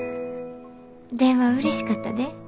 電話うれしかったで。